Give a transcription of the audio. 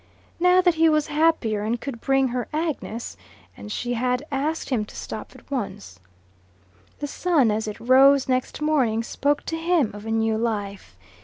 Now that he was happier and could bring her Agnes, she had asked him to stop at once. The sun as it rose next morning spoke to him of a new life.